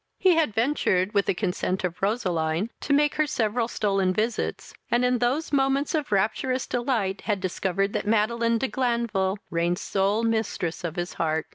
He had ventured, with the consent of Roseline, to make her several stolen visits, and in those moments of rapturous delight had discovered that Madeline de Glanville reigned sole mistress of his heart.